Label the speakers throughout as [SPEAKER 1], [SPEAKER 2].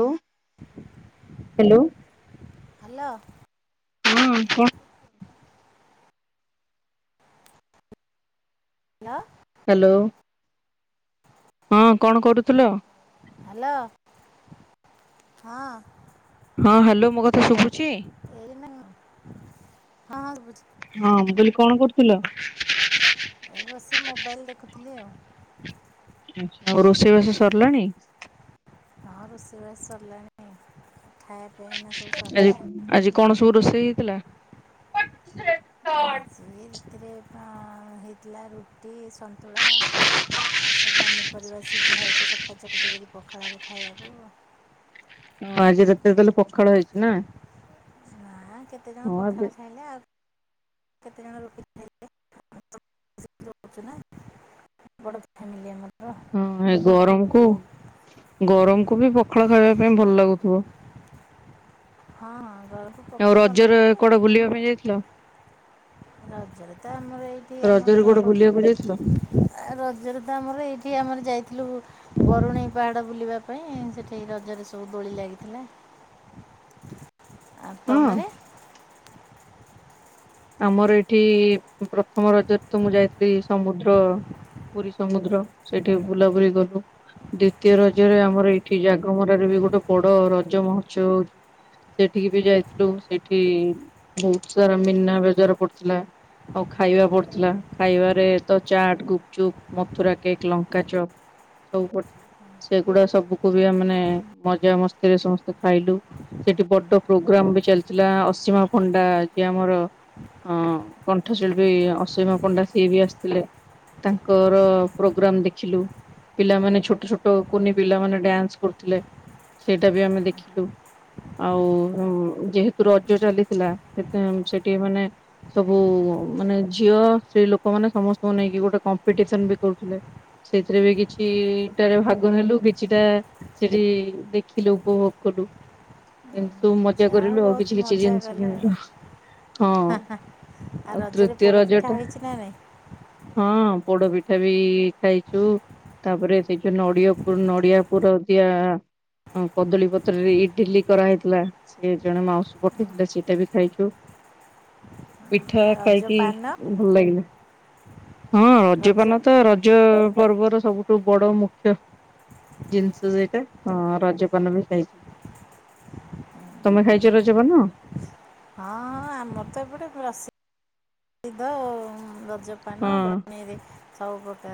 [SPEAKER 1] Hello hello.
[SPEAKER 2] Hello.
[SPEAKER 1] ହୁଁ ହୁଁ [unintelligible]
[SPEAKER 2] hello.
[SPEAKER 1] Hello. ହଁ କଣ କରୁଥିଲ।
[SPEAKER 2] ହ୍ୟାଲୋ ହଁ।
[SPEAKER 1] ହଁ ହ୍ୟାଲୋ ମୋ କଥା ଶୁଭୁଛି।
[SPEAKER 2] ଏଇ ନା ହଁ ହଁ ହ ଶୁଭୁଛି।
[SPEAKER 1] ହଁ କହିଲି କଣ କରୁଥିଲ।
[SPEAKER 2] ଏଇ ବସି ମୋବାଇଲ ଦେଖୁଥିଲି ଆଉ
[SPEAKER 1] ଆଉ ରୋଷେଇବାସ ସରିଲାଣି।
[SPEAKER 2] ରୋଷଇ ବାସ ସରିଲାଣି ଆଉ। ଖାଇବା ପିଇବା ଏଇନା ସବୁ
[SPEAKER 1] ଆଜି
[SPEAKER 2] ସରିଲା।
[SPEAKER 1] ଆଜି କଣ ସବୁ ରୋଷେଇ ହୋଇଥିଲା।
[SPEAKER 2] ଆଜି ରାତିରେ ହେଇଥିଲା ରୁଟି। ସନ୍ତୁଳା ଆଉ ସବୁ ପନିପରିବା ସିଝା ହେଇକି ଚକଟା ଚକଟି କରି ପଖାଳରେ ଖାଇବାକୁ।
[SPEAKER 1] ହଁ ଆଜି ରାତିରେ ତାହେଲେ ପଖାଳ ହୋଇଛି ନା?
[SPEAKER 2] ହଁ କେତେଜଣ
[SPEAKER 1] ହଁ ଏବେ
[SPEAKER 2] ପଖାଳ ଖାଇଲେ ଆଉ କେତେ ଜଣ ରୁଟି ଖାଇଲେ। [unintelligible]
[SPEAKER 1] ହଁ ଗରମକୁ ଗରମକୁ ବି ପଖାଳ ଖାଇବା ପାଇଁ ଭଲ ଲାଗୁଥିବ
[SPEAKER 2] ହଁ ହଁ ଘରକୁ
[SPEAKER 1] ଆଉ
[SPEAKER 2] ପଖାଳ ଭଲ
[SPEAKER 1] ରଜରେ
[SPEAKER 2] ଲାଗେ
[SPEAKER 1] କୁଆଡେ ବୁଲିବା ପାଇଁ ଯାଇଥିଲ?
[SPEAKER 2] ରଜରେ ତ ଆମର ଏଇଠି ଆମର ତ
[SPEAKER 1] ରଜରେ କୁଆଡ଼େ
[SPEAKER 2] ଖୋର୍ଦ୍ଧା
[SPEAKER 1] ବୁଲିବାକୁ ଯାଇଥିଲ?
[SPEAKER 2] ରଜରେ ତ ଆମର ଏଇଠି ଆମେ ଯାଇଥିଲୁ ବରୁଣେଇ ପାହାଡ଼ ବୁଲିବା ପାଇଁ। ସେଠି ରଜରେ ସବୁ ଦୋଳି ଲାଗିଥିଲା। ଆ
[SPEAKER 1] ହଁ
[SPEAKER 2] ତମରେ।
[SPEAKER 1] ଆମର ଏଇଠି ପ୍ରଥମ ରଜରେ ତ ମୁଁ ଯାଇଥିଲି ସମୁଦ୍ର ପୁରୀ ସମୁଦ୍ର ସେଠି ବୁଲାବୁଲି କଲୁ ଦ୍ଵିତୀୟ ରଜରେ ଆମର ଏଇଠି ଜାଗମରାରେ ବି ଗୋଟେ ବଡ ରଜ ମହୋତ୍ସବ ହଉଛି ସେଠିକି ବି ଯାଇଥିଲୁ ସେଠି ବହୁତ ସାରା ମିନା ରଜରେ ପଡିଥିଲା ଆଉ ଖାଇବା ପଡିଥିଲା ଖାଇବାରେ ତ ଚାଟ ଗୁପଚୁପ ମଥୁରା କେକ୍ ଲଙ୍କା ଚପ ସବୁ ପଡିଥିଲା ସେଗୁଡା ସବୁକୁ ବି ଆମେ ମାନେ ମଜା ମସ୍ତିରେ ସମସ୍ତେ ଖାଇଲୁ ସେଠି ବଡ ପ୍ରୋଗ୍ରାମ ବି ଚାଲିଥିଲା ଅସୀମା ପଣ୍ଡା ଯିଏ ଆମର ହଁ କଣ୍ଠଶିଳ୍ପୀ ଅସୀମା ପଣ୍ଡା ସିଏ ବି ଆସିଥିଲେ ତାଙ୍କର ପ୍ରୋଗ୍ରାମ ଦେଖିଲୁ ପିଲାମାନେ ଛୋଟ ଛୋଟ କୁନି ପିଲାମାନେ ଡ୍ୟାନ୍ସ କରୁଥିଲେ ସେଇଟା ବି ଆମେ ଦେଖିଲୁ ଆଉ ଯେହେତୁ ରଜ ଚାଲିଥିଲା ସେ ସେଠି ମାନେ ସବୁ ମାନେ ଝିଅ ସ୍ତ୍ରୀ ଲୋକ ମାନେ ସମସ୍ତଙ୍କୁ ନେଇକି ଗୋଟେ କମ୍ପିଟିସନ ବି କରୁଥିଲେ ସେଇଥିରେ ବି କିଛିଟାରେ ଭାଗ ନେଲୁ କିଛିଟା ସେଠି ଦେଖିଲୁ ଉପଭୋଗ କଲୁ କିନ୍ତୁ ମ ପୂଜା
[SPEAKER 2] ଯାହା ହଉ
[SPEAKER 1] କରିଲୁ ଆଉ
[SPEAKER 2] ବହୁତ
[SPEAKER 1] କିଛି କିଛି
[SPEAKER 2] ମଜା
[SPEAKER 1] ଜିନିଷ କିଣିଲୁ ହଁ
[SPEAKER 2] ଆ ରଜରେ
[SPEAKER 1] ତୃତୀୟ
[SPEAKER 2] ପୋଡ
[SPEAKER 1] ରଜ
[SPEAKER 2] ପିଠା ହେଇଛି ନା ନାଇଁ
[SPEAKER 1] ହଁ ପୋଡ ପିଠା ବି ଖାଇଛୁ ତାପରେ ସେଇ ଯୋଉ ନଡିଆ ପୁର ନଡିଆ ପୁର ଦିଆ କଦଳୀ ପତ୍ରରେ ଇଟିଲିି କରାହେଇଥିଲା ସେ ଜଣେ ମାଉସୀ ପଠେଇଥିଲା ସେଇଟା ବି ଖାଇଛୁ ପିଠା
[SPEAKER 2] ଆଉ ରଜ
[SPEAKER 1] ଖାଇକି
[SPEAKER 2] ପାନ
[SPEAKER 1] ଭଲ ଲାଗିଲା ହଁ
[SPEAKER 2] ରଜ
[SPEAKER 1] ରଜପାନ ତ ରଜ ପର୍ବର ସବୁଠୁ ବଡ ମୁଖ୍ୟ ଜିନିଷ ସେଟା ହ ରଜପାନ ବି ଖାଇଛି ତମେ ଖାଇଛ ରଜପାନ
[SPEAKER 2] ହଁ ହଁ ଆମର ତ ଏପଟେ ବସି ସେଇଦ ପାନ
[SPEAKER 1] ହଁ
[SPEAKER 2] [unintelligible] ସବୁ ତ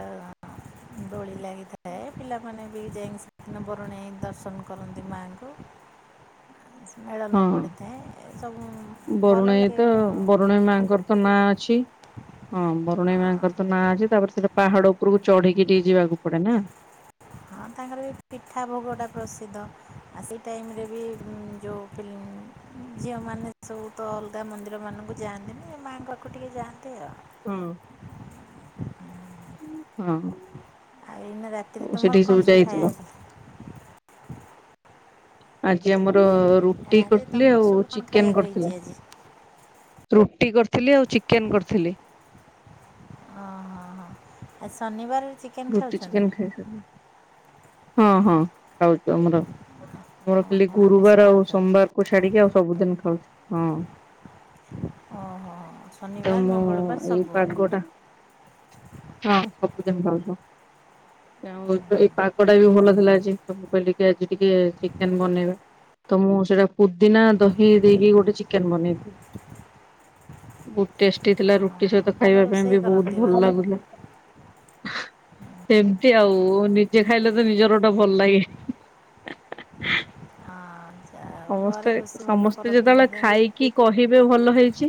[SPEAKER 2] ଦୋଳି ଲାଗିଥାଏ ପିଲାମାନେ ବି ଯାଇକି ସେଦିନ ବରୁଣେଇ ଦର୍ଶନ କରନ୍ତି ମାଆଙ୍କୁ ମେଳନ
[SPEAKER 1] ହଁ।
[SPEAKER 2] ପଡ଼ିଥାଏ ଏ ସବୁ ଭଲ
[SPEAKER 1] ବରୁଣେଇ
[SPEAKER 2] ଲାଗେ
[SPEAKER 1] ତ
[SPEAKER 2] ଗୋଟେ ଆଉ
[SPEAKER 1] ବରୁଣେଇ ମାଙ୍କର ତ ନାଁ ହଁ ବରୁଣେଇ
[SPEAKER 2] ହଁ
[SPEAKER 1] ମାଙ୍କର ତ ନାଁ ଅଛି ତାପରେ ସେଟା ପାହାଡ ଉପରକୁ ଚଢିକି ଟିକେ ଯିବାକୁ ପଡେ ନା
[SPEAKER 2] ହଁ ତାଙ୍କର ବି ପିଠା ଭୋଗଟା ପ୍ରସିଦ୍ଧ ଆଉ ସେଇ ଟାଇମ୍ ବି ଯେଉଁ ଝିଅମାନେ ସବୁ ତ ଅଲଗା ମନ୍ଦିରମାନଙ୍କୁ ଯାଆନ୍ତିନି ମାଆଙ୍କ ପାଖକୁ ଟିକେ ଯାଆନ୍ତି ଆଉ
[SPEAKER 1] ହଁ ହଁ
[SPEAKER 2] ଆଉ ଏଇନା ରାତିରେ ତମର
[SPEAKER 1] ସେଠିକି
[SPEAKER 2] କଣ ସବୁ
[SPEAKER 1] ଯାଇଥିଲ।
[SPEAKER 2] ଖାଇବା ହେଲା
[SPEAKER 1] ଆଜି ଆମର ରୁଟି
[SPEAKER 2] ରାତିରେ
[SPEAKER 1] କରିଥିଲି
[SPEAKER 2] ତୁମର
[SPEAKER 1] ଆଉ
[SPEAKER 2] ସବୁ କ'ଣ
[SPEAKER 1] ଚିକେନ
[SPEAKER 2] ଖାଇବାକୁ ହେଇଛି
[SPEAKER 1] କରିଥିଲେ
[SPEAKER 2] ଆଜି
[SPEAKER 1] ରୁଟି କରିଥିଲି ଆଉ ଚିକେନ କରିଥିଲି
[SPEAKER 2] ଓହୋ ହୋ ଆ ଶନିବାର ଚିକେନ୍
[SPEAKER 1] ରୁଟି
[SPEAKER 2] ଖାଉଛନ୍ତି
[SPEAKER 1] ଚିକେନ ଖାଇ ସାର ହଁ ହଁ ଖାଉଛୁ ଆମରର ଖାଲି
[SPEAKER 2] ଓହୋ ଆମିଷ
[SPEAKER 1] ଗୁରୁବାର ଆଉ
[SPEAKER 2] ଖାଉଛ
[SPEAKER 1] ସୋମବାର କୁ ଛାଡ଼ିକରି ସବୁଦିନ ଖାଉଛି ହଁ
[SPEAKER 2] ଓହୋ
[SPEAKER 1] ତ
[SPEAKER 2] ଶନିବାର
[SPEAKER 1] ମୁଁ
[SPEAKER 2] ମଙ୍ଗଳବାର
[SPEAKER 1] ଏଇ
[SPEAKER 2] ସବୁ
[SPEAKER 1] ପାଗଟା ହଁ ସବୁଦିନ ଭଲ ଆଉ ଏଇ ପାଗ ପଟା ବି ଭଲ ଥିଲା ଆଜି ତମ କହିଲ କି ଆଜି ଟିକେ ଚିକେନ ବନେଇବା ତ ମୁଁ ସେଇଟା ପୁଦିନା ଦହି ଦେଇକି ଗୋଟେ ଚିକେନ ବନେଇଦି ବହୁତ ଟେଷ୍ଟି ଥିଲା ରୁ
[SPEAKER 2] ଓହୋ
[SPEAKER 1] ରୁଟି ସହିତ
[SPEAKER 2] ଭଲ
[SPEAKER 1] ଖାଇବା ପାଇଁ
[SPEAKER 2] ରୋଷେଇ
[SPEAKER 1] ବି ବହୁତ
[SPEAKER 2] କରନ୍ତି
[SPEAKER 1] ଭଲ
[SPEAKER 2] ବୋଧେ
[SPEAKER 1] ଲାଗୁଥିଲା ସେମତି ଆଉ ନି ନିଜ ଖାଇଲେ ତ ନିଜର ଟା ଭଲ ଲାଗେ
[SPEAKER 2] ହଁ ଯାହା ହଉ ଘରେ
[SPEAKER 1] ସମସ୍ତେ
[SPEAKER 2] ରୋଷେଇ ଭଲ
[SPEAKER 1] ସମସ୍ତେ
[SPEAKER 2] କରନ୍ତି
[SPEAKER 1] ଯେତେବେଳେ
[SPEAKER 2] ବୋଧେ ଆଉ
[SPEAKER 1] ଖାଇକି କହିବେ ଭଲ ହେଇଛି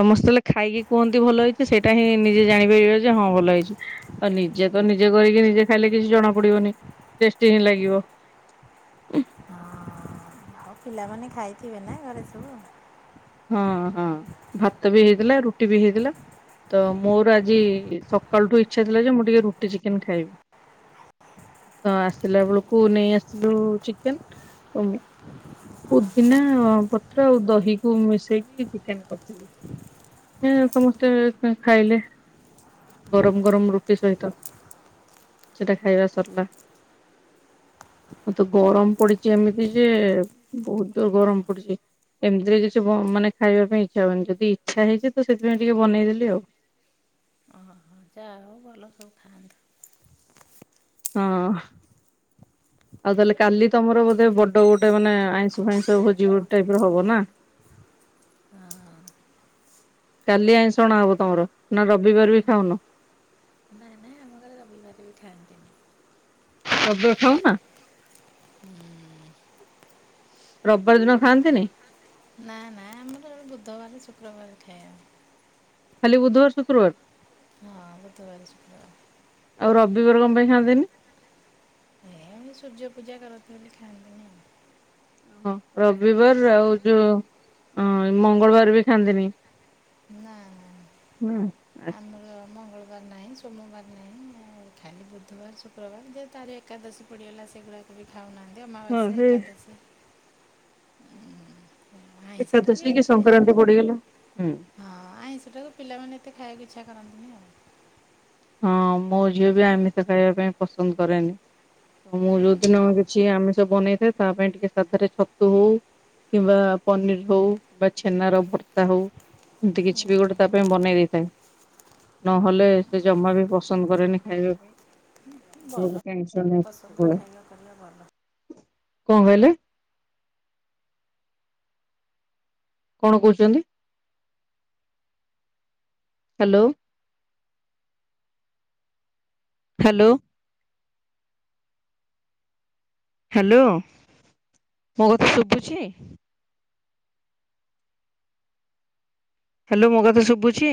[SPEAKER 1] ସମସ୍ତେ ହେଲେ ଖାଇକି କୁହନ୍ତି ଭଲ ହେଇଛି ସେଇଟା ହିଁ ନିଜେ ଜାଣିପାରିବେ ଯେ ହଁ ଭଲ ହେଇଛି ଆଉ ନିଜେ ତ ନିଜେ କରିକି ନିଜେ ଖାଇଲେ କିଛି ଜଣା ପଡିବନି ଟେଷ୍ଟି ହିଁ ଲାଗିବ
[SPEAKER 2] ଆଉ ପିଲାମାନେ ଖାଇଥିବେ ନା ଘରେ ସବୁ।
[SPEAKER 1] ହଁ ହଁ। ଭାତ ବି ହେଇଥିଲା ରୁଟି ବି ହେଇଥିଲା ତ ମୋର ଆଜି ସକାଳୁଠୁ ଇଚ୍ଛା ଥିଲା ଯେ ମୁଁ ଟିକେ ରୁଟି ଚିକେନ ଖାଇବି ତ ଆସିଲା ବେଳକୁ ନେଇ ଆସିଲୁ ଚିକେନ ପୁଦିନା ପତ୍ର ଆଉ ଦହି। ମିଶେଇକି ଚିକେନ କରିଥିଲି ସମସ୍ତେ ଖାଇଲେ ଗରମ ଗରମ ରୁଟି ସହିତ ସେଟା ଖାଇବା ସରିଲା ତ ଗରମ ପଡିଚି ଏମିତି ଯେ ବହୁତ ଗରମ ପଡିଛି ଏମିତିରେ ବି କିଚି ମାନେ ଖାଇବା ପାଇଁ ଇଚ୍ଛା ହଉନି ଯଦି ଇଚ୍ଛା ହେଇଛି ତ ସେଥିପାଇଁ ଟିକେ ବନେଇଦେଲି ଆଉ।
[SPEAKER 2] ମଜା ଆଉ ଭଲ ସବୁ ଖାଆନ୍ତୁ।
[SPEAKER 1] ହଁ ଆଉ ତାହେଲେ କାଲି ତମର ବୋଧେ ବଡ ଗୋଟେ ମାନେ ଆଇଁଷ ଫାଇଁଷ ଭୋଜି ଟାଇପ ର ହବ ନା
[SPEAKER 2] ଆଉ
[SPEAKER 1] କାଲି ଆଇଁଷ ଅଣା ହବ ତମର ନା
[SPEAKER 2] ହଁ
[SPEAKER 1] ରବିବାର ବି
[SPEAKER 2] ହଁ
[SPEAKER 1] ଖାଉନ।
[SPEAKER 2] କେଇ ଖାନ୍ତିନି।
[SPEAKER 1] ରବିବାର ଖାଉନା। ରବିବାର ଦିନ ଖାଆନ୍ତିନି।
[SPEAKER 2] ନା ନା ଆମର ବୁଧବାର ଶୁକ୍ରବାର ଖାଇବାର ଖାଇବା।
[SPEAKER 1] ଖାଲି ବୁଧବାର ଶୁକ୍ରବାର।
[SPEAKER 2] ହଁ ବୁଧବାର ସୁକ୍ର ବାର୍।
[SPEAKER 1] ଆଉ ରବିବାର କମ ପାଇଁ ଖାଆନ୍ତିନି।
[SPEAKER 2] ଏ ଏମତି ସୂଯ୍ୟ ପୂଜା କରନ୍ତି ବୋଲି ଖାଇନ୍ତିିନି ଆ ଉ।
[SPEAKER 1] ଓ ରବିବାର ଆଉ ଯୋଉ ମଙ୍ଗଳବାର ବି ଖାଆନ୍ତିନି
[SPEAKER 2] ନା ନା।
[SPEAKER 1] ହୁଁ।
[SPEAKER 2] ନାଇ ସୋମବାର ନାଇ ଆଉ ଖାଲି ବୁଧ ବାର ଶୁକ୍ର ବାର୍ ଯଦି ତାର ଏକା ଦଶୀ ପଡ଼ିଗଲା ସେଗୁରାକ ବି ଖାଉ ନାହାନ୍ତି। ଏ
[SPEAKER 1] ହଁ
[SPEAKER 2] ଅମାବାସ୍ୟା
[SPEAKER 1] ସେ
[SPEAKER 2] ଏକାଦାସୀ। ଆଇଁଷହଟା ବି
[SPEAKER 1] ଏକାଦଶୀ କି
[SPEAKER 2] ଏତେ
[SPEAKER 1] ସଂକ୍ରାନ୍ତି ପଡିଗଲା। ହୁଁ
[SPEAKER 2] ହଁ ଆଇଁଷଟାକୁ ପିଲାମାନେ। ଏତେ ଖାଇବାକୁ ଇଚ୍ଛା କରନ୍ତିନି ଆଉ।
[SPEAKER 1] ହଁ ମୋ ଝିଅ ବି ଆମିଷ ଖାଇବା ପାଇଁ ପସନ୍ଦ କରେନି ତ ମୁଁ ଯୋଉଦିନ କିଛି ଆମିଷ ବନେଇଥାଏ ତା ପାଇଁ ଟିକେ ସାଧାରେ ଛତୁ ହଉ କିମ୍ବା ପନିର ହଉ କି ଛେନାର ଭର୍ତ୍ତା ହଉ ଏମିତି କିଛି ବି ଗୋଟେ ତା ପାଇଁ ବନେଇ ଦେଇଥାଏ ନହେଲେ। ସେ ଜମା ବି ପସନ୍ଦ କରେନି ଖାଇବା ପାଇଁ। ତା ପାଇଁ
[SPEAKER 2] ଭଲ
[SPEAKER 1] ମତେ ଟେନସନ
[SPEAKER 2] ପସନ୍ଦ
[SPEAKER 1] ସବୁବେଳେ।
[SPEAKER 2] ଖାଇବା କରିବା ଭଲ
[SPEAKER 1] କଣ କହିଲେ। କଣ କହୁଛନ୍ତି। ହାଲୋ। ହାଲୋ। ହାଲୋ ମୋ କଥା ଶୁଭୁଛି। ହା ଲୋ ମୋ କାଥା ଶୁଭୁଛି।